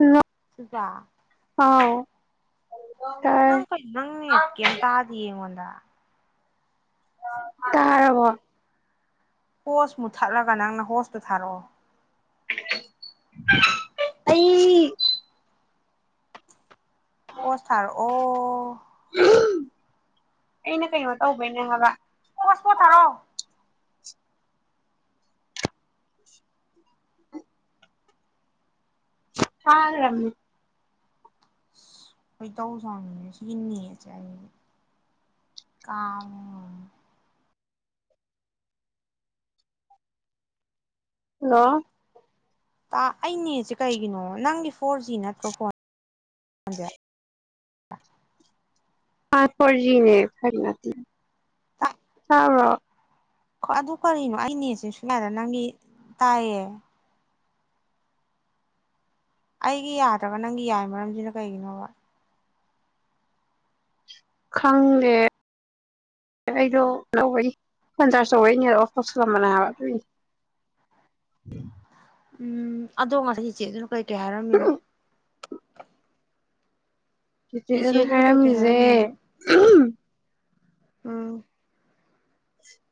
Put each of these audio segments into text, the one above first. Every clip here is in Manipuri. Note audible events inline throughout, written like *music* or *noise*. ꯍꯜꯂꯣ ꯁꯤꯜꯄꯥ ꯍꯥꯎ ꯅꯪ ꯀꯩꯅꯣ ꯅꯪ ꯅꯦꯠ ꯀꯩꯝ ꯇꯥꯗꯤꯌꯦ ꯑꯩꯉꯣꯟꯗ ꯇꯥꯔꯕꯣ ꯍꯣꯁ ꯃꯨꯊꯠꯂꯒ ꯅꯪꯅ ꯍꯣꯁꯇꯨ ꯊꯥꯔꯛꯑꯣ ꯑꯩ- ꯍꯣꯁ ꯊꯥꯔꯛꯑꯣ ꯑꯩꯅ ꯀꯩꯅꯣ ꯇꯧꯕꯩꯅꯦ ꯍꯥꯏꯕ ꯍꯣꯁꯄꯣꯠ ꯊꯥꯔꯛꯑꯣ ꯊꯥꯒ꯭ꯔꯝꯅꯤ ꯈꯣꯏꯗꯧ ꯁꯥꯎꯅꯤꯡꯉꯦ ꯉꯁꯤꯒꯤ ꯅ‌ꯦꯠꯁꯦ ꯑꯩ ꯀꯥꯕ꯭ꯔꯥ ꯌꯦꯡꯎ ꯍꯜꯂꯣ ꯑꯥ ꯑꯩ ꯅꯦꯠꯁꯦ ꯀꯩꯒꯤꯅꯣ ꯅꯪꯒꯤ ꯐꯣꯔ ꯖꯤ ꯅꯠꯇ꯭ꯔꯣ ꯐꯣꯟ ꯖꯦ ꯐꯥꯏꯕ ꯐꯣꯔ ꯖꯤꯅꯦ ꯐꯥꯏꯕ ꯇꯤ ꯅꯠꯇꯦ *unintelligible* ꯍꯣꯏ ꯑꯗꯨ ꯀꯔꯤꯅꯣ ꯑꯩ ꯅꯦꯠꯁꯤꯁꯨ ꯌꯥꯗ ꯅꯪꯒꯤ ꯇꯥꯏꯌꯦ ꯑꯩꯒꯤ ꯌꯥꯗ꯭ꯔꯒ ꯅꯪꯒꯤ ꯌꯥꯏ ꯃꯔꯝꯁꯤꯅ ꯀꯩꯒꯤꯅꯣꯕ ꯈꯪꯗꯦ ꯑꯩꯗꯣ *unintelligible* ꯐꯣꯟ ꯆꯥꯔꯁ ꯇꯧꯕꯩ ꯅꯦꯠ ꯑꯣꯞ ꯇꯧꯁꯜꯂꯝꯕꯅꯦ ꯍꯥꯏꯕ ꯑꯗꯨꯏꯅꯦ ꯎꯝ ꯑꯗꯣ ꯉꯁꯥꯏ ꯆꯤꯆꯦꯗꯣ ꯀꯩꯀꯩ ꯍꯥꯏꯔꯝꯃꯤꯅꯣ ꯆꯤꯆꯦ ꯗꯨꯅ ꯆꯤꯆꯦꯗꯨꯅ ꯀꯩ ꯀꯩ ꯍꯥꯏꯔꯝꯃꯤꯖꯦ ꯍꯥꯏꯔꯝꯃꯤꯅꯣꯕ ꯎꯝ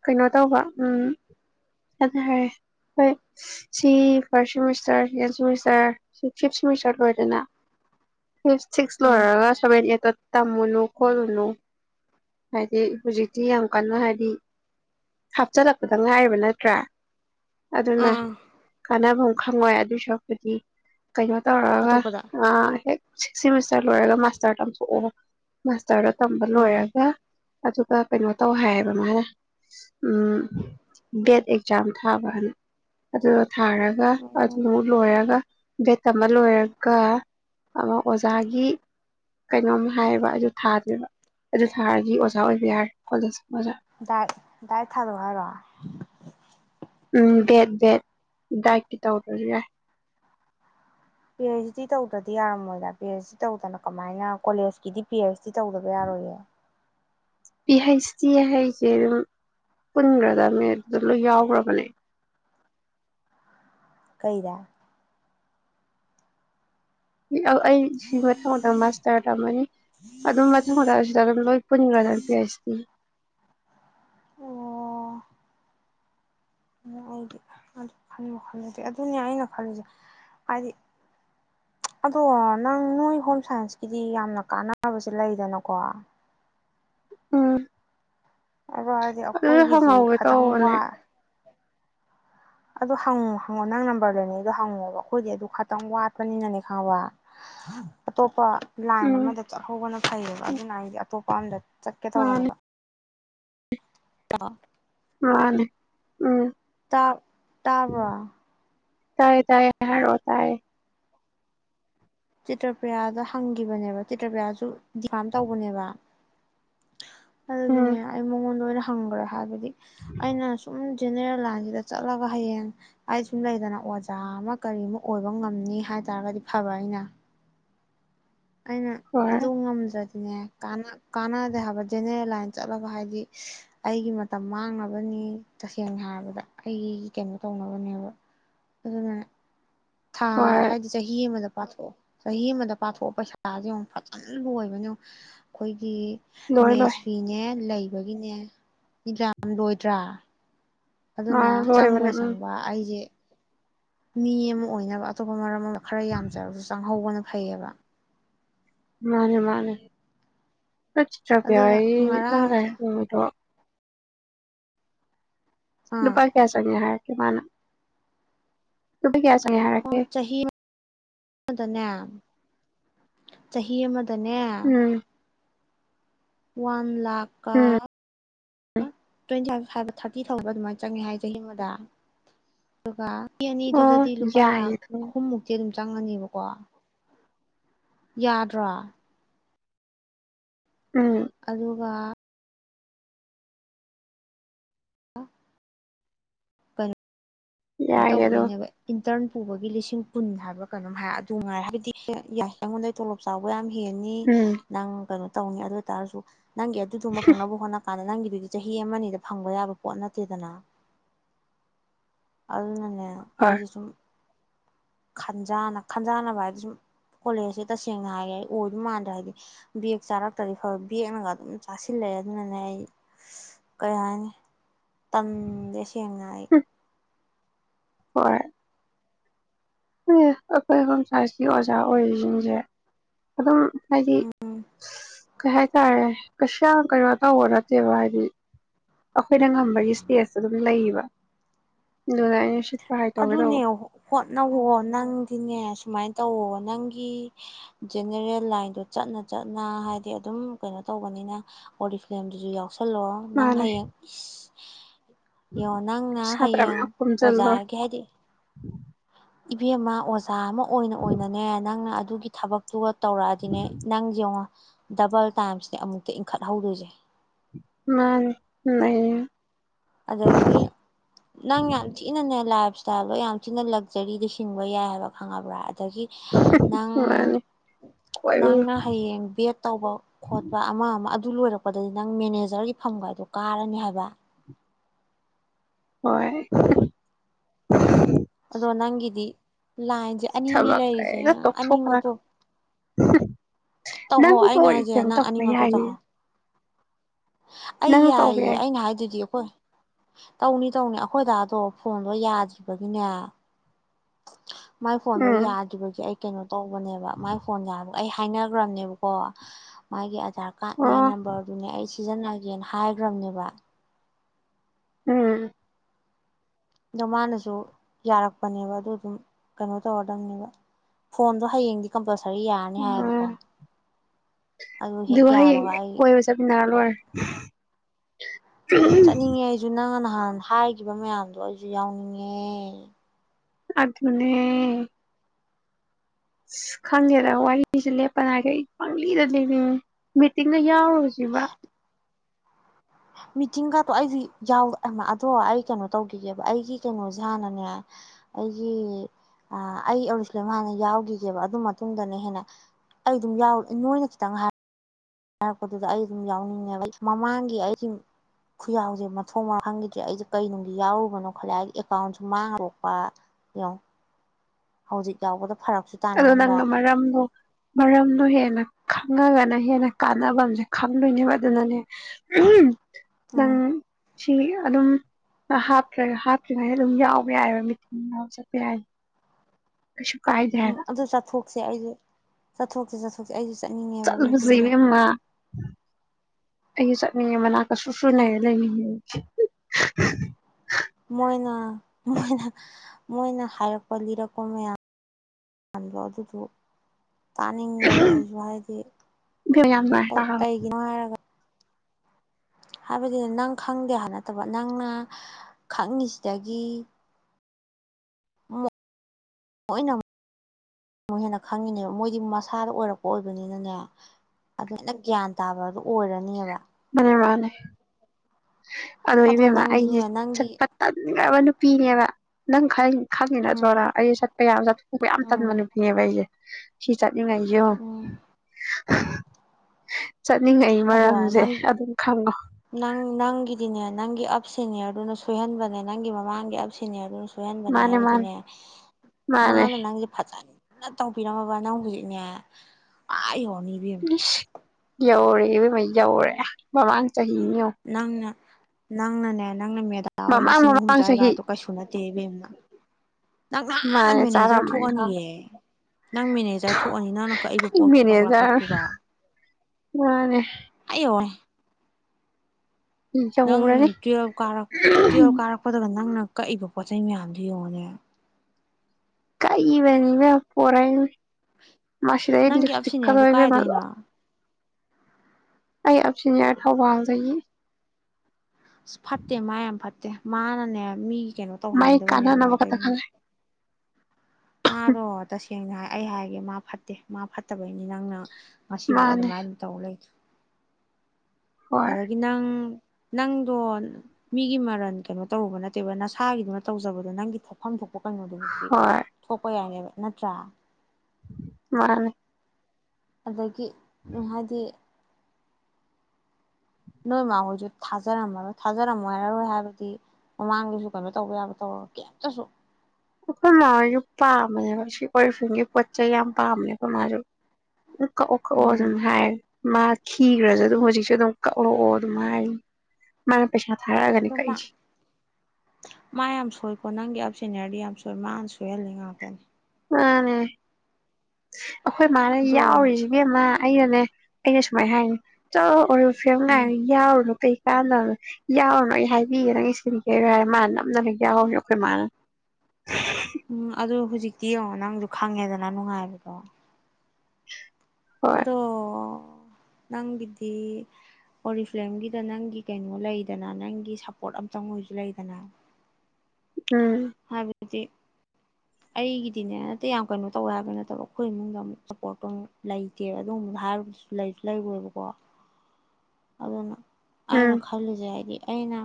ꯀꯩꯅꯣ ꯇꯧꯕ ꯎꯝ ꯍꯣꯏ ꯁꯤ ꯐꯥꯔꯁ ꯁꯦꯃꯤꯁꯇꯔ ꯁꯦꯀꯦꯟ ꯁꯦꯃꯤꯁꯇꯔ ꯁꯤ ꯐꯤꯞ ꯁꯦꯃꯤꯁꯇꯔ ꯂꯣꯏꯔꯦꯗꯅ ꯐꯤꯐ ꯁꯥꯛꯁ ꯎꯝ ꯂꯣꯏꯔꯒ ꯁꯕꯦꯟ ꯑꯦꯠ ꯇ ꯇꯝꯃꯨꯅꯨ ꯈꯣꯠꯂꯨꯅꯨ ꯍꯥꯏꯗꯤ ꯍꯧꯖꯤꯛꯇꯤ ꯌꯥꯝ ꯀꯟꯅ ꯍꯥꯏꯗꯤ ꯍꯥꯞꯆꯤꯜꯂꯛꯄꯗ ꯉꯥꯏꯔꯤꯕ ꯅꯠꯇ꯭ꯔꯥ ꯑꯗꯨꯅ ꯑꯥ ꯑꯥ ꯀꯥꯅꯕꯝ ꯈꯪꯉꯣꯏ ꯑꯗꯨꯏ ꯁꯔꯨꯛꯄꯨꯗꯤ ꯀꯩꯅꯣ ꯇꯧꯔꯒ ꯑꯇꯣꯞꯄꯗ ꯑ ꯍꯦꯛ ꯁꯤꯛꯁ ꯁꯦꯃꯤꯁꯇꯔ ꯂꯣꯏꯔꯒ ꯃꯥꯁꯇꯔ ꯇꯝꯊꯣꯛꯑꯣ ꯃꯥꯁꯇꯔ ꯇꯝꯕ ꯑꯥ ꯂꯣꯏꯔꯒ ꯑꯗꯨꯒ ꯀꯩꯅꯣ ꯇꯧ ꯍꯥꯏꯌꯦꯕ ꯃꯥꯅ ꯎꯝ ꯕꯦꯠ ꯑꯦꯛꯖꯥꯝ ꯊꯥꯕ ꯍꯥꯏꯅ ꯑꯗꯨꯒ ꯊꯥꯔꯒ ꯑꯗꯨ ꯎꯝ ꯂꯣꯏꯔꯒ ꯕꯦꯠ ꯇꯝꯕ ꯂꯣꯏꯔꯒ ꯑꯃ ꯑꯣꯖꯥꯒꯤ ꯀꯩꯅꯣꯝ ꯍꯥꯏꯌꯦꯕ ꯑꯗꯨ ꯊꯥꯗꯣꯏꯕ ꯑꯗꯨ ꯊꯥꯔꯗꯤ ꯑꯣꯖꯥ ꯑꯣꯏꯕ ꯌꯥꯔꯦ ꯀꯣꯂꯦꯖ ꯑꯣꯖꯥ ꯗꯥ ꯗꯥꯏꯠ ꯊꯥꯗꯣꯍꯥꯏꯔꯣ ꯎꯝ ꯕꯦꯠ ꯕꯦꯠ ꯗꯥꯏꯇꯤ ꯇꯧꯗ꯭ꯔꯁꯨ ꯌꯥꯏ ꯄꯤ ꯑꯩꯆ ꯗꯤ ꯇꯧꯗ꯭ꯔꯗꯤ ꯌꯥꯔꯝꯃꯣꯏꯗ ꯄꯤ ꯑꯩꯆ ꯗꯤ ꯇꯧꯗꯅ ꯀꯃꯥꯏꯅ ꯀꯣꯂꯦꯖꯀꯤꯗꯤ ꯄꯤ ꯑꯩꯆ ꯗꯤ ꯇꯧꯗꯕ ꯌꯥꯔꯣꯏꯌꯦ ꯄꯤ ꯍꯩꯆ ꯇꯤ ꯍꯩꯁꯦ ꯗꯨꯝ ꯄꯨꯟꯈ꯭ꯔꯗꯕꯅꯦ ꯑꯗꯨꯗ ꯂꯣꯏ ꯌꯥꯎꯈ꯭ꯔꯕꯅꯦ ꯀꯩꯗ ꯑꯩ ꯁꯤ ꯃꯊꯪ ꯃꯊꯪ ꯃꯥꯁꯇꯔ ꯇꯝꯃꯅꯤ ꯑꯗꯨꯝ ꯃꯊꯪ ꯃꯊꯪ ꯁꯤꯗ ꯑꯗꯨꯝ ꯂꯣꯏ ꯄꯨꯟꯒ꯭ꯔꯗꯝꯅꯤ ꯄꯤ ꯑꯩꯆ ꯗꯤ ꯑꯣ ꯑꯩꯗꯤ ꯑꯗꯨ ꯈꯟꯕꯨ ꯈꯜꯂꯨꯗꯦ ꯑꯗꯨꯅꯦ ꯑꯩꯅ ꯈꯜꯂꯤꯁꯦ ꯍꯥꯏꯗꯤ ꯑꯗꯣ ꯅꯪ ꯅꯣꯏ ꯍꯣꯝ ꯁꯥꯏꯟꯁꯀꯤꯗꯤ ꯌꯥꯝꯅ ꯀꯥꯟꯅꯕꯁꯦ ꯂꯩꯗꯅꯀꯣ ꯎꯝ ꯑꯗꯣ ꯍꯥꯏꯗꯤ ꯑꯗꯨꯗ ꯑꯈꯣꯏꯒꯤꯗꯤ ꯍꯪꯍꯧꯒꯦ ꯈꯇꯪ ꯇꯧꯕꯅꯦ ꯋꯥ ꯑꯗꯨ ꯍꯪꯉꯣ ꯍꯪꯉꯣ ꯅꯪ ꯅꯝꯕꯔ ꯂꯩꯅꯩꯗꯣ ꯍꯪꯉꯣꯕ ꯑꯈꯣꯏꯗꯤ ꯑꯗꯨ ꯈꯇꯪ ꯋꯥꯠꯄꯅꯤꯅꯅꯦ ꯈꯪꯕ ꯑꯇꯣꯞꯄ ꯂꯥꯏꯟ ꯎꯝ ꯑꯃꯗ ꯆꯠꯍꯧꯕꯅ ꯐꯩꯌꯦꯕ ꯑꯗꯨꯅ ꯑꯩꯗꯤ ꯑꯇꯣꯞꯄ ꯑꯝꯗ ꯆꯠꯀꯦ ꯃꯥꯅꯦ ꯇꯧꯕꯅꯕ ꯑ ꯃꯥꯅꯦ ꯎꯝ ꯇꯥ ꯇꯥꯕ ꯇꯥꯏ ꯇꯌꯦ ꯍꯥꯏꯔꯑꯣ ꯇꯥꯏ ꯆꯤꯇ꯭ꯔꯄꯦꯌꯥꯗ ꯍꯪꯈꯤꯕꯕꯅꯦꯕ ꯆꯤꯇ꯭ꯔꯄꯦꯌꯥꯁꯨ ꯗꯤ ꯐꯥꯝ ꯇꯧꯕꯅꯦꯕ ꯎꯝ ꯑꯗꯨꯒꯤꯅꯦ ꯑꯩ ꯃꯉꯣꯟꯗ ꯑꯣꯏꯔ ꯐꯪꯈ꯭ꯔꯦ ꯍꯥꯏꯕꯗꯤ ꯑꯩꯅ ꯁꯨꯝ ꯖꯦꯅꯦꯔꯦꯜ ꯂꯥꯏꯟꯁꯤꯗ ꯆꯠꯂꯒ ꯍꯌꯦꯡ ꯑꯩ ꯁꯨꯝ ꯂꯩꯗꯅ ꯑꯣꯖꯥ ꯑꯃ ꯀꯔꯤ ꯑꯃ ꯑꯣꯏꯕ ꯉꯝꯅꯤ ꯍꯥꯏꯇꯥꯥꯔꯒꯗꯤ ꯐꯕ ꯑꯩꯅ ꯑꯩꯅ ꯍꯣꯏ ꯑꯗꯨ ꯉꯝꯖꯗꯤ ꯅꯦ ꯀꯥꯟꯅꯗꯦ ꯍꯥꯏꯕ ꯖꯦꯅꯦꯔꯦꯜ ꯂꯥꯏꯟ ꯆꯠꯂꯒ ꯍꯥꯏꯗꯤ ꯑꯩꯒꯤ ꯃꯇꯝ ꯃꯥꯡꯅꯕꯅꯤ ꯇꯁꯦꯡꯅ ꯍꯥꯏꯔꯕꯗ ꯑꯩꯒꯤ ꯀꯩꯅꯣ ꯇꯧꯅꯕꯅꯦꯕ ꯑꯗꯨꯅꯅꯦ ꯊꯥ ꯍꯣꯏ ꯍꯥꯏꯗꯤ ꯆꯍꯤ ꯑꯃꯗ ꯄꯥꯊꯣꯛ ꯆꯍꯤ ꯑꯃꯗ ꯄꯥꯊꯣꯛꯑꯣ ꯄꯩꯁꯥꯁꯦ ꯑꯃꯨꯛ ꯐꯖꯅ ꯂꯣꯏꯕꯅꯦ ꯑꯩꯈꯣꯏꯒꯤ ꯂꯣꯏ ꯂꯣꯏ ꯃꯦꯁꯕꯤꯅꯦ ꯂꯩ ꯒꯤꯅꯦ ꯌꯥꯝ ꯂꯣꯏꯗ꯭ꯔꯥ ꯃꯥ ꯑꯗꯨꯅ ꯂꯣꯏꯕꯅꯦ ꯆꯪꯕꯩ ꯎꯝ ꯆꯪꯕ ꯑꯩꯁꯦ ꯃꯤ ꯑꯃ ꯑꯣꯏꯅꯕ ꯑꯇꯣꯞꯄ ꯃꯔꯝ ꯑꯃ ꯈꯔ ꯌꯥꯝꯖꯔꯒꯁꯨ ꯆꯪꯍꯧꯕꯅ ꯐꯩꯌꯦꯕ ꯃꯥꯅꯦ ꯃꯥꯅꯦ ꯄ ꯆꯠꯇ꯭ꯔꯥꯕꯤ ꯌꯥ ꯑꯗꯨꯒ ꯉꯔꯥꯡꯁꯦ ꯅꯅꯥꯔꯠꯇꯣ ꯑꯥ ꯅꯨꯄꯥ ꯀꯌꯥꯁ ꯅꯤꯡ ꯍꯥꯏꯔ ꯃꯥꯅ ꯊꯒꯤꯌꯥꯁ ꯌꯥꯔꯀꯦ ꯗ ꯅ ꯆꯍꯤ ꯑꯃꯗ ꯑꯗꯨꯅ ꯎꯝ ꯋꯥꯟ ꯂꯥꯈ ꯄꯀꯥ ꯑ ꯇ꯭ꯋꯦꯟꯇꯤ ꯐꯥꯏꯚ ꯐꯥꯏꯚ ꯊꯥꯔꯇꯤ ꯊꯧꯕ ꯑꯗꯨꯃꯥꯏꯅ ꯆꯪꯉꯦ ꯍꯥꯏ ꯆꯍꯤ ꯑꯃꯗ ꯑꯗꯨꯒ ꯃꯤ ꯑꯣ ꯑꯅꯤꯗꯨꯗꯗꯤ ꯂꯨꯄꯥ ꯂꯥꯛ ꯌꯥꯏꯌꯦ ꯑꯍꯨꯝꯃꯨꯛꯇꯤ ꯑꯗꯨꯝ ꯆꯪꯉꯅꯤꯕꯀꯣ ꯌꯥꯗ꯭ꯔꯣ ꯎꯝ ꯑꯗꯨꯒ ꯍꯜꯂꯣ ꯀ ꯀꯩꯅꯣ ꯌꯥꯏꯌꯦ ꯑꯗꯣ ꯇꯧꯗꯣꯏꯅꯦꯕ ꯏꯟꯇꯔꯟ ꯄꯨꯕꯒꯤ ꯂꯤꯁꯤꯡ ꯀꯨꯟ ꯍꯥꯏꯕ ꯀꯩꯅꯣꯝ ꯍꯥꯏ ꯑꯗꯨ ꯉꯥꯏ ꯍꯥꯏꯕꯗꯤ ꯌꯥꯏ ꯑꯩꯉꯣꯟꯗꯩ ꯇꯣꯂꯣꯞ ꯆꯥꯎꯕ ꯌꯥꯝ ꯍꯦꯟꯅꯤ ꯎꯝ ꯅꯪ ꯀꯩꯅꯣ ꯇꯧꯅꯤ ꯑꯗꯣꯏꯇꯥꯔꯁꯨ ꯅꯪꯒꯤ ꯑꯗꯨꯗꯨꯨꯝꯕ ꯐꯪꯅꯕ ꯍꯣꯠꯅ ꯀꯥꯟꯗ ꯅꯪꯒꯤ ꯆꯍꯤ ꯑꯃꯅꯤꯗ ꯐꯪꯕ ꯌꯥꯕ ꯄꯣꯠ ꯅꯠꯇꯦꯗꯅ ꯑꯗꯨꯅꯦ ꯍꯣꯏ ꯑꯩꯖꯦ ꯁꯨꯝ ꯈꯟꯖꯅ ꯈꯟꯖꯥꯟꯅꯕ ꯍꯥꯏꯗꯤ ꯁꯨꯝ ꯀꯣꯂꯦꯖꯁꯦ ꯇꯁꯦꯡꯅ ꯍꯥꯏꯒꯦ ꯑꯩ ꯑꯣꯏꯗꯨ ꯃꯥꯟꯗ꯭ꯔꯦ ꯍꯥꯏꯕꯗꯤ ꯕꯦꯒ ꯆꯥꯔꯛꯇ꯭ꯔꯗꯤ ꯐ ꯕꯦꯒꯅꯒ ꯑꯗꯨꯝ ꯆꯥꯁꯤꯜꯂꯛꯑꯦ ꯑꯗꯨꯅꯅꯦ ꯑꯩ ꯀꯩ ꯍꯥꯏꯅꯤ ꯇꯟꯗꯦ ꯁꯦꯡꯅꯥ ꯑꯩ ꯎꯝ ꯍꯣꯏ ꯑꯩꯈꯣꯏ ꯍꯣꯝ ꯁꯥꯏꯟꯁꯀꯤ ꯑꯣꯖꯥ ꯑꯣꯏꯔꯤꯁꯤꯡꯁꯦ ꯑꯗꯨꯝ ꯍꯥꯏꯗꯤ ꯀꯩ ꯍꯥꯏꯇꯥꯔꯦ ꯀꯩꯁꯨ ꯌꯥꯝ ꯀꯩꯅꯣ ꯇꯧꯕ ꯅꯠꯇꯦꯕ ꯍꯥꯏꯗꯤ ꯑꯩꯈꯣꯏꯅ ꯉꯝꯕꯒꯤ ꯏꯁꯇꯦꯖꯇ ꯑꯗꯨꯝ ꯂꯩꯌꯦꯕ ꯑꯗꯨꯅ ꯑꯩꯅ ꯇ꯭ꯔꯥꯏ ꯇꯧꯒꯦ ꯑꯗꯨꯅꯦ ꯇꯧꯕ ꯍꯣꯠꯅꯧꯑꯣ ꯅꯪꯗꯤꯅꯦ ꯁꯨꯃꯥꯏꯅ ꯇꯧ ꯅꯪꯒꯤ ꯖꯦꯅꯦꯔꯦꯜ ꯂꯥꯏꯟꯗꯣ ꯆꯠꯅ ꯆꯠꯅ ꯍꯥꯏꯗꯤ ꯑꯗꯨꯝ ꯀꯩꯅꯣ ꯇꯧꯕꯅꯤꯅ ꯑꯣꯔꯤ ꯐꯂꯦꯝꯗꯨꯁꯨ ꯌꯥꯎ ꯁꯜꯂꯣ ꯅꯪ ꯃꯥꯅꯦ ꯍꯌꯦꯡ ꯅꯪꯅ ꯁꯥꯇ꯭ꯔ ꯍꯌꯦꯡ ꯃꯌꯥꯝ ꯑꯣꯖꯥ ꯈꯣꯝꯖꯤꯜꯂꯣꯏ *unintelligible* ꯏꯕꯦꯝꯃ ꯑꯣꯖꯥ ꯑꯣꯖꯥ ꯑꯃ ꯑꯣꯏꯅ ꯑꯣꯏꯅꯥꯅꯦ ꯅꯪꯅ ꯑꯗꯨꯒꯤ ꯊꯕꯛ ꯑꯗꯨꯒ ꯇꯧꯔꯛꯑꯗꯤꯅꯦ ꯅꯪ ꯌꯦꯡꯉꯣ ꯗꯕꯜ ꯇꯥꯏꯝꯁꯅꯦ ꯑꯃꯨꯛꯇ ꯏꯟꯈꯠꯍꯧꯗꯣꯏꯁꯦ ꯃꯅꯤ ꯑꯗꯒꯤ ꯅꯪ ꯌꯥꯝ ꯊꯤꯅꯥꯅꯦ ꯂ__ ꯏꯁ꯭ꯇꯥꯏꯜꯗꯣ ꯌꯥꯝ ꯊꯤꯅ ꯂꯛꯖꯔꯤꯗ ꯍꯁꯤꯡꯕ ꯌꯥꯏ ꯍꯥꯏꯕ ꯈꯪꯉꯕ꯭ꯔꯥ ꯑꯗꯒꯤ ꯅꯪ ꯃꯥꯅꯤ ꯀꯣꯏꯔꯨ ꯅꯪꯅ ꯍꯌꯦꯡ ꯕꯦꯠ ꯇꯧꯕ ꯈꯣꯠꯄ ꯑꯃ ꯑꯃ ꯑꯗꯨ ꯂꯣꯏꯔꯛꯄꯗꯗꯤ ꯅꯪ ꯃꯦꯅꯦꯖꯔꯒꯤ ꯐꯝꯒꯗꯣ ꯀꯥꯔꯅꯤ ꯍꯥꯏꯕ ꯍꯣꯏ ꯑꯗꯣ ꯅꯪꯒꯤꯗꯤ ꯂꯥꯏꯟꯁꯦ ꯑꯅꯤꯅꯤ ꯊꯕꯛ ꯂꯩꯔꯤꯁꯦ ꯀꯩꯒ ꯇꯣꯛꯊꯣꯛꯀꯗ ꯑꯅꯤꯃꯛꯇꯣ ꯅꯪ ꯇꯧꯍꯧ ꯑꯩꯅ ꯍꯥꯏꯁꯦ ꯑꯣꯔꯤꯐꯂꯦꯝ ꯅꯪ ꯇꯧꯕꯥ ꯑꯅꯤꯃꯛꯇꯣ ꯌꯥꯏꯌꯦ ꯇꯧꯍꯧ ꯑꯩ ꯅꯪ ꯇꯧꯕ ꯌꯥꯏꯌꯦ ꯌꯥꯏ ꯑꯩꯅ ꯍꯥꯏꯗꯨꯗꯤ ꯍꯣꯏ ꯇꯧꯅꯤ ꯇꯧꯅꯤ ꯑꯩꯈꯣꯏꯗꯗꯣ ꯐꯣꯟꯗꯣ ꯌꯥꯗ꯭ꯔꯤꯕꯒꯤꯅꯦ ꯃꯥꯏ ꯐꯣꯟꯗꯣ ꯎꯝ ꯌꯥꯈꯤꯕꯒꯤ ꯑꯩ ꯀꯩꯅꯣ ꯇꯧꯕꯅꯦꯕ ꯃꯥꯏ ꯐꯣꯟ ꯌꯥꯕ ꯑꯩ ꯍꯥꯏꯅꯈ꯭ꯔꯕꯅꯦꯕꯀꯣ ꯃꯥꯒꯤ ꯑꯙꯥꯔ ꯀꯥꯔꯗꯅꯦ ꯑꯣ ꯅꯝꯕꯔꯗꯨꯅꯦ ꯑꯩꯁꯦ ꯁꯤꯖꯤꯟꯅꯒꯦꯅ ꯍꯥꯏꯈ꯭ꯔꯕꯅꯦꯕ ꯎꯝ ꯑꯗꯣ ꯃꯥꯅꯁꯨ ꯌꯥꯔꯛꯄꯅꯦꯕ ꯑꯗꯨ ꯑꯗꯨꯝ ꯀꯩꯅꯣ ꯇꯧꯔꯗꯕꯅꯦꯕ ꯐꯣꯟꯗꯣ ꯍꯌꯦꯡꯗꯤ ꯀꯝꯄꯜ ꯑꯗꯨ ꯍꯦꯛ ꯑꯣꯋꯥ ꯍ ꯌꯥꯕꯒ ꯑꯩ ꯀꯣꯏ ꯆ ꯅꯅꯥꯂꯔ ꯆꯠꯅꯤꯡꯉꯦ ꯍꯥꯏ ꯑꯩꯁꯨ ꯅꯪ ꯅꯍ ꯅꯍꯥꯟ ꯍꯥꯏꯈꯤꯕ ꯃꯌꯥꯝꯗꯣ ꯑꯩꯁꯨ ꯌꯥꯎꯅꯤꯡꯉꯦ ꯑꯗꯨꯅꯤ ꯑ ꯈꯪꯉꯦꯔ ꯋꯥꯔꯤꯁꯦ ꯂꯦꯞꯄꯅ ꯍꯥꯏꯒ ꯑꯩ ꯄꯪꯂꯤꯗ ꯂꯩ ꯃꯤꯇꯤꯡꯗ ꯌꯥꯎꯔ ꯖꯤꯕ ꯃꯤꯇꯤꯡꯒꯇꯣ ꯑꯩꯁꯨ ꯑꯗꯣ ꯑꯩ ꯀꯩꯅꯣ ꯇꯧꯈꯤꯒꯦꯕ ꯑꯩꯒꯤ ꯀꯩꯅꯣꯁꯦ ꯍꯥꯟꯅꯅꯦ ꯑꯩꯒꯤ ꯑꯩ ꯑꯔꯤꯁꯂ ꯍꯥꯟꯅ ꯌꯥꯎꯈꯤꯒꯦꯕ ꯑꯗꯨ ꯃꯇꯨꯡꯗꯅꯦ ꯍꯦꯟꯅ ꯑꯩ ꯑꯗꯨꯝ ꯅꯣꯏꯅ ꯈꯤꯇꯪ ꯍꯥꯏꯔꯦ ꯍꯥꯏꯔꯛꯄꯗꯨꯗ ꯑꯩ ꯑꯗꯨꯝ ꯌꯥꯎꯅꯤꯡꯉꯦꯕ ꯑꯩ ꯃꯃꯥꯡꯒꯤ ꯑꯩꯒꯤ ꯈꯨꯌꯥꯎꯁꯦ ꯃꯊꯣꯡ ꯃꯔ ꯈꯪꯈꯤꯗ꯭ꯔꯦ ꯑꯩꯁꯦ ꯀꯩꯅꯨꯡꯒꯤ ꯌꯥꯎꯔꯨꯕꯅꯣ ꯈꯜꯂꯦ ꯑꯩꯗꯤ ꯑꯦꯀꯥꯎꯟꯁꯨ ꯃꯥꯡꯉꯕ ꯌꯦꯡꯉꯣ ꯍꯧꯖꯤꯛ ꯌꯥꯎꯕꯗ ꯐꯔꯛꯁꯨ ꯑꯗꯣ ꯇꯥꯅꯍꯟꯕ ꯅꯪꯅ ꯃꯔꯝꯅꯣ ꯃꯔꯝꯅꯣ ꯍꯦꯟꯅ ꯈꯪꯉꯒꯅ ꯍꯦꯟꯅ ꯀꯥꯟꯅꯕ ꯑꯁꯦ ꯈꯪꯗꯣꯏꯅꯦꯕ ꯑꯗꯨꯅꯅꯦ ꯑꯪ ꯎꯝ ꯁꯤ ꯑꯗꯨꯝ ꯍꯥꯞꯇ꯭ꯔꯒ ꯍꯥꯞꯇ꯭ꯔꯤꯉꯩꯗ ꯑꯗꯨꯝ ꯌꯥꯎꯕ ꯌꯥꯏꯑꯕ ꯃꯤꯊꯤꯟ ꯆꯠꯄ ꯌꯥꯏ ꯀꯁ ꯀꯥꯏꯗꯦ ꯎꯝ ꯍꯥꯏꯅ ꯑꯗꯨ ꯆꯠꯊꯣꯛꯁꯦ ꯑꯩꯁꯦ ꯆꯠꯊꯣꯛ ꯆꯠꯊꯣꯛꯦ ꯑꯩꯁꯨ ꯆꯠꯅꯤꯡꯉꯦꯕ ꯃꯤꯇꯤꯡꯗꯣ ꯆꯠꯕꯨꯁꯤꯕꯤ ꯃꯥ ꯑꯩ ꯆ ꯃꯤ ꯃꯅꯥ ꯁꯨꯁꯅ ꯈꯪ ꯂꯩ *inaudible* ꯣꯏꯅ ꯃꯣꯏꯅ ꯍꯥꯏꯔꯛꯄ ꯂꯤꯔꯛꯄ ꯃꯌꯥꯝꯗꯣ ꯑꯗꯨꯗꯨ ꯇꯥꯅꯤꯡꯉꯦꯕ ꯑꯩꯁꯨ ꯍꯥꯏꯗꯤ ꯏꯕꯦꯝꯃ ꯌꯥꯝ ꯅꯨꯡꯉꯥꯏ ꯇꯥꯕ ꯀꯩꯒꯤꯅꯣ ꯍꯥꯏꯔꯒ ꯍꯥꯏꯕꯗꯤꯅꯦ ꯅꯪ ꯈꯪꯗꯦ ꯍꯥꯏ ꯅꯠꯇꯕ ꯅꯪꯅ ꯈꯪꯉꯤꯁꯤꯗꯒꯤ ꯂꯣꯏꯅ ꯍꯦꯟꯅ ꯈꯪꯉꯤꯅꯦꯕ ꯃꯣꯏꯗꯤ ꯃꯁꯥꯗ ꯑꯣꯏꯔꯛꯄ ꯑꯣꯏꯕꯅꯤꯅꯅꯦ ꯑꯗꯨꯅ ꯒ꯭ꯌꯥꯟ ꯇꯥꯕ ꯑꯣꯏꯔꯅꯦꯕ *inaudible* ꯑꯗꯣ ꯑꯗꯅꯦꯕ ꯅꯪꯗꯤꯅꯦ ꯑꯩꯁꯦ ꯅꯪꯒꯤ ꯆꯠꯄ ꯇꯟꯈ꯭ꯔꯕ ꯅꯨꯄꯤꯅꯦꯕ ꯅꯪ ꯈꯥꯟ ꯈꯪꯉꯤ ꯎꯝ ꯅꯠꯇ꯭ꯔꯣꯅ ꯑꯩ ꯆꯠꯄ ꯌꯥꯕ ꯆꯠꯄꯨ ꯌꯥꯝ ꯇꯟꯕ ꯎꯝ ꯅꯨꯄꯤꯅꯦꯕ ꯑꯩꯁꯦ ꯁꯤ ꯆꯠ ꯉꯩꯁꯤꯌꯣ ꯎꯝ ꯆꯠꯅꯤꯡꯉꯛꯏ ꯑꯗꯣ ꯃꯔꯝꯁꯦ ꯅꯪ ꯑꯗꯨꯝ ꯈꯪꯉꯣ ꯅꯪ ꯅꯪꯒꯤꯗꯤꯅꯦ ꯅꯪꯒꯤ ꯑꯞ ꯁꯤꯦꯅꯤꯌꯔꯗꯨꯅ ꯁꯣꯏꯍꯟꯕꯅꯦ ꯅꯪꯒꯤ ꯃꯃꯥꯡꯒꯤ ꯑꯞ ꯁꯤꯦꯅꯤꯌꯔꯗꯨꯅ ꯁꯣꯏꯍꯟꯕꯅꯦ ꯃꯥꯅꯦ ꯃꯥꯅꯦ ꯍꯥꯏꯕꯗꯤꯅꯦ ꯃꯥꯅꯦ ꯃꯥꯅ ꯅꯪꯁꯦ ꯐꯖꯅꯤ ꯇꯧꯕꯤꯔꯝꯃꯕ ꯅꯪ ꯍꯧꯖꯤꯛꯅꯦ ꯑꯥꯌꯣ ꯅꯤꯕꯌꯦꯝ ꯌꯧꯔꯦꯕꯩ ꯌꯧꯔꯦ ꯃꯃꯥꯡ ꯆꯍꯤꯅꯤ ꯌꯦꯡꯉꯣ ꯅꯪꯅ ꯅꯪ ꯅꯅꯦ ꯅꯪꯅ ꯃꯦꯗꯥ ꯍꯣꯏ ꯃꯃꯥꯡ ꯂꯤꯁꯤꯡ ꯑꯍꯨꯝ ꯃꯃꯥꯡ ꯆꯍꯤ ꯇ꯭ꯥꯒꯥꯏꯗꯣ ꯀꯥꯏꯁꯨ ꯅꯠ *unintelligible* ꯅꯪ ꯅꯍꯥꯟꯟꯅ ꯃꯥꯅꯦ ꯃꯦꯅꯦꯖꯔ ꯆꯥꯔꯝꯃꯅꯤ ꯊꯣꯛꯑꯅꯤꯌꯦ ꯅꯪ ꯃꯦꯅꯦꯖꯔ ꯊꯣꯛꯑꯅꯤ ꯅꯪꯅ ꯀꯛꯏꯕ ꯀꯩ ꯄꯣꯠ ꯃꯦꯅꯦꯖꯔ ꯈꯨꯀꯛꯂꯥꯛꯀꯛꯇꯨꯒ ꯃꯥꯅꯦ ꯑꯩ ꯌꯥꯣꯏ ꯅꯪ ꯌꯧꯔꯅꯤ ꯇ꯭ꯋ‌ꯦꯞ ꯀꯥꯔꯛ ꯇ꯭ꯋ‌ꯦꯞ ꯀꯥꯔꯛꯄꯗꯒ ꯅꯪꯪꯅꯥ ꯀꯛꯏꯕ ꯄꯣꯠꯆꯩ ꯃꯌꯥꯝꯗꯨꯣ ꯌꯦꯡꯉꯨꯅꯦ ꯀꯩꯏꯕꯅꯤ ꯄꯔꯔꯛꯏꯟ ꯃꯥꯁꯤꯗ ꯑꯩ ꯂ ꯅꯪꯒꯤ ꯑꯞ ꯂꯤꯞꯁꯇꯤ ꯁꯤꯅꯤꯌꯔꯗꯨ ꯀꯥꯗ‌ꯣ ꯏꯕ‌ꯦꯃꯥ ꯀꯥꯏꯗꯩꯅꯣ ꯂ‌ꯣꯆ ꯑꯩ ꯑꯞꯁꯤꯅꯤꯌꯥꯔ ꯊꯧꯕꯥꯜꯗꯒꯤ ꯐꯥꯠꯇꯦ ꯃꯥꯏ ꯑꯃ ꯐꯥꯠꯇꯦ ꯃꯥꯅꯅꯦ ꯃꯤ ꯀꯩꯅꯣ ꯃꯥꯏ ꯇꯧꯍꯟꯅꯤꯡꯗꯕꯩꯅꯦ ꯀꯥꯟꯅ ꯅꯅꯕ ꯑꯗꯨꯃꯥꯏꯅ ꯀꯗ ꯇꯧꯔꯤꯅꯤ ꯈꯂꯦ ꯃꯥꯗꯣ ꯇꯁ‌ꯦꯡ ꯀꯦꯡꯅꯣ ꯍꯥꯏ ꯑꯩ ꯍꯥꯏꯒꯦ ꯃꯥ ꯐꯠꯇꯦ ꯃꯥ ꯐꯠꯇꯕꯩꯅꯤ ꯅꯪꯅ ꯃꯁꯤꯕꯨ ꯃꯥꯅꯦ ꯑꯗꯨꯃꯥꯏꯅ ꯇꯧ ꯂꯩ ꯍꯣꯏ ꯑꯗꯒꯤ ꯅꯪ ꯅꯪꯗꯣ ꯃꯤꯒꯤ ꯃꯔꯟ ꯀꯩꯅꯣ ꯇꯧꯔꯨꯕ ꯅꯠꯇꯦꯕ ꯅꯁꯥꯒꯤꯗꯨꯅ ꯇꯧꯖꯕꯗꯣ ꯅꯪꯒꯤ ꯊꯣꯛꯐꯝ ꯊꯣꯛꯄ ꯊꯣꯛꯀꯩꯅꯣꯗꯨꯃꯛꯇꯤ ꯍꯣꯏ ꯊꯣꯛꯄ ꯌꯥꯅꯦꯕ ꯅꯠꯇ꯭ꯔꯥ ꯃꯥꯔꯅꯤ ꯑꯗꯒꯤ ꯉꯗꯤ ꯅꯣꯏ ꯃꯥꯍꯣꯏꯖꯨ ꯊꯥꯖꯔꯝꯃꯔꯣꯏ ꯊꯥꯖꯔꯝꯃꯣꯏꯔꯔꯣꯏ ꯍꯥꯏꯕꯗꯤ ꯃꯃꯥꯡꯗꯁꯨ ꯀꯩꯅꯣ ꯇꯧꯕ ꯌꯥꯕ ꯇꯧꯔ ꯀꯩꯝꯇꯁꯨ ꯑꯩꯈꯣꯏ ꯃꯥꯁꯨ ꯄꯥꯝꯕꯅꯦꯕ ꯁꯤ ꯀꯐꯒꯤ ꯄꯣꯠ ꯆꯩ ꯌꯥꯝ ꯄꯥꯝꯃꯦ ꯑꯩꯈꯣꯏ ꯃꯥꯁꯨ ꯎ ꯀꯛꯑꯣ ꯀꯛꯑꯣ ꯎꯝ ꯑꯗꯨꯝ ꯍꯥꯏ ꯃꯥ ꯈꯤꯈ꯭ꯔꯖꯨ ꯑꯗꯨꯝ ꯍꯧꯖꯤꯛꯁꯨ ꯑꯗꯨꯝ ꯀꯛꯂꯛꯑꯣ ꯑꯗꯨꯃꯥꯏꯅ ꯃꯥꯅ ꯄꯩꯁꯥ ꯊꯥꯔꯛꯑꯒꯅꯤ ꯑꯣ ꯀꯛꯏꯁꯦ ꯃꯥ ꯌꯥꯝ ꯁꯣꯏꯀꯣ ꯅꯪꯒꯤ ꯁꯤꯅꯦꯔꯗꯤ ꯌꯥꯝ ꯁꯣꯏ ꯃꯥꯅ ꯁꯣꯏꯍꯜꯂꯤ ꯉꯥꯛꯇꯅꯤ ꯑꯅꯦ ꯑꯩꯈꯣꯏ ꯃꯥꯅ ꯑꯗꯣ ꯌꯥꯎꯔꯤꯁꯤꯕꯦꯝꯃ ꯍꯔꯅꯦ ꯑꯩꯅ ꯁꯨꯃꯥꯏꯅ ꯍꯥꯏꯅꯤ ꯆꯂꯔ ꯕ ꯎꯝ ꯂꯅ ꯌꯥꯎꯔꯩ ꯀꯥꯟꯅꯕꯅ ꯌꯥꯎꯔꯅꯨ ꯑꯩ ꯍꯥꯏꯕꯤꯌꯦꯦ ꯅꯪ ꯁꯤꯗꯤ ꯀꯩ ꯍꯥꯏꯔꯦ ꯃꯥꯅ ꯅꯞꯅꯅꯕ ꯌꯥꯎꯍꯧꯅ ꯑꯩꯈꯣꯏ ꯃꯥꯅ ꯇꯤꯌꯣ ꯅꯪꯁꯨ ꯈꯪꯉꯦꯗꯅ ꯅꯨꯡꯉꯥꯏꯕꯗꯣ *inaudible* ꯑꯗꯣ ꯅꯪꯒꯤꯗꯤ ꯑꯣꯔꯤ ꯐꯤꯂꯦꯝꯒꯤꯗ ꯅꯪꯒꯤ ꯀꯩꯅꯣ ꯂꯩꯗꯅ ꯅꯪꯒꯤ ꯁꯞꯄꯣꯔꯠ ꯑꯝꯇꯪ ꯑꯣꯏꯁꯨ ꯂꯩꯗꯅ ꯎꯝ ꯍꯥꯏꯕꯤ ꯍꯥꯏꯗꯤ ꯑꯩꯒꯤꯗꯤꯅꯦ ꯅꯠꯇꯦ ꯌꯥꯝ ꯀꯩꯅꯣ ꯇꯧꯋꯦ ꯍꯥꯏꯕ ꯅꯠꯇꯕ ꯑꯩꯈꯣꯏ ꯏꯃꯨꯡꯗ ꯑꯃꯨꯛ ꯁꯞꯄꯣꯔꯠꯇꯣ ꯑꯃ ꯂꯩꯇꯦꯕ ꯑꯗꯨꯒꯨꯝꯕꯗ ꯍꯥꯏꯔꯨꯕꯁꯨ ꯂꯩꯁꯨ ꯂꯩꯔꯣꯏꯕꯀꯣ ꯑꯗꯨꯅ ꯑꯩꯅ ꯎꯝ ꯈꯜꯂꯨꯁꯦ ꯍꯥꯏꯗꯤ ꯑꯩꯅ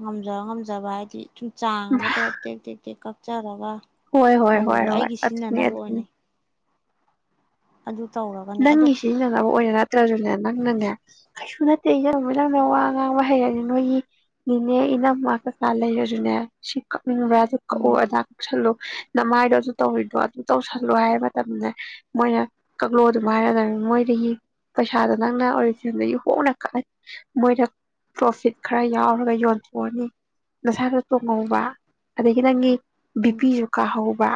ꯉꯝꯖꯕ ꯉꯝꯖꯕ ꯍꯥꯏꯗꯤ ꯁꯨꯝ ꯆꯥꯡ ꯑꯃꯗ ꯇꯦꯛ ꯇꯦꯦꯛ ꯀꯛ ꯆꯔ ꯋꯥ ꯍꯣꯏ ꯍꯣꯏ ꯍꯣꯏ ꯍꯣꯏ ꯑꯗꯨꯅꯤ ꯑꯗꯨꯅꯤ ꯑꯣꯏꯅ ꯑꯗꯨ ꯇꯧꯔꯒꯅꯦ ꯑꯗꯣ ꯅꯪꯒꯤ ꯁꯤꯖꯤꯟꯅꯅꯕ ꯑꯣꯏꯅ ꯅꯠꯇ꯭ꯔꯁꯨꯅꯦ ꯅꯪꯅꯅꯦ ꯀꯩꯁꯨ ꯅꯠꯇꯦ ꯏ ꯂꯨꯃꯤ ꯂꯪꯅ ꯋꯥ ꯉꯥꯡꯕ ꯍꯩꯔꯅꯤ ꯅꯣꯏꯒꯤ ꯃꯤꯅꯦ ꯏꯅꯝꯃ ꯀꯆꯥ ꯂꯩꯔꯁꯨꯅꯦ ꯁꯤꯀ ꯎ ꯎꯝ ꯑꯗꯨꯗꯥꯛꯜꯂꯣ ꯅꯃꯥꯏꯗꯣ ꯑꯗꯨ ꯇꯧꯔꯤꯗꯣ ꯑꯗꯨ ꯇꯧꯁꯜꯂꯣ ꯍꯥꯏꯕ ꯃꯇꯝꯅꯦ ꯃꯣꯏꯅ ꯂꯣ ꯑꯗꯨꯝ ꯍꯥꯏꯔꯗ ꯃꯣꯏꯗꯒꯤ ꯄꯩꯁꯥꯗꯣ ꯅꯪꯅ ꯑꯣꯔꯤꯖꯤꯟꯗꯒꯤ ꯍꯣꯡꯅ ꯀꯛꯑꯅꯤ ꯃꯣꯏꯗ ꯄ꯭ꯔꯣꯐꯤꯠ ꯈꯔ ꯌꯥꯎꯔꯒ ꯌꯣꯟꯊꯣꯛꯑꯅꯤ ꯅꯁꯥꯗ ꯇꯣꯡꯍꯧꯕ ꯑꯗꯒꯤ ꯅꯪꯒꯤ ꯎꯝ ꯕꯤꯄꯤ ꯆꯨꯀꯥ ꯍ ꯋꯥ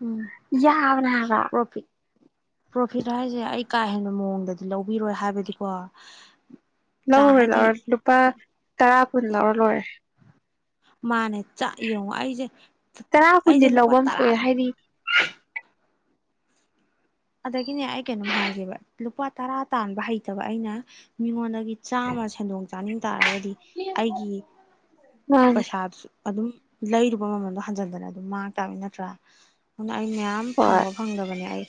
ꯎꯝ ꯌꯥꯕꯅꯒ ꯄ꯭ꯔꯣꯐꯤꯠ ꯄ꯭ꯔꯣꯐꯤꯠ ꯍꯥꯏꯁꯦ ꯑꯩ ꯀꯥ ꯍꯦꯟꯕ ꯃꯑꯣꯡꯗꯗꯤ ꯂꯧꯕꯤꯔꯣꯏ ꯍꯥꯏꯕꯗꯤꯀꯣ ꯆꯥꯡ ꯂꯧꯔ ꯂ ꯍꯥꯏꯗꯤ ꯂꯗꯨꯄꯥ ꯇꯔꯥ ꯄꯨꯜꯂꯔ ꯂꯣꯏ ꯃꯥꯅꯦ ꯆꯥꯛ ꯌꯦꯡꯉꯣ ꯑꯩꯁꯦ ꯇꯔꯥ ꯀꯨꯟꯗꯤ ꯑꯩꯁꯦ ꯂꯨꯄꯥ ꯂꯧꯐꯝ ꯊꯣꯛꯑꯦ ꯇꯔꯥꯗꯝ ꯍꯥꯏꯗꯤ ꯑꯗꯒꯤꯅꯦ ꯑꯩ ꯀꯩꯅꯣꯝ ꯍꯥꯏꯒꯕ ꯂꯨꯄꯥ ꯇꯔꯥ ꯇꯥꯟꯕ ꯍꯩꯇꯕ ꯑꯩꯅ ꯃꯤꯉꯣꯟꯗꯒꯤ ꯆꯥꯝꯃ ꯁꯦꯟꯗꯣꯡ ꯆꯥꯅꯤꯡ ꯇꯥꯔꯒꯗꯤ ꯑꯩꯒꯤ ꯃꯥꯅꯦ ꯄꯩꯁꯥꯗꯨꯁꯨ ꯑꯗꯨꯝ ꯂꯩꯔꯨꯕ ꯃꯃꯜꯗꯣ ꯍꯟꯖꯤꯟꯗꯅ ꯑꯗꯨꯝ ꯃꯥꯡ ꯇꯥꯕꯅꯤ ꯅꯠꯇ꯭ꯔꯥ? ꯑꯗꯨꯅ ꯑꯩ ꯃꯌꯥꯝ ꯍꯣꯏ ꯐꯪꯕ ꯐꯪꯗꯕꯅꯦ ꯑꯩ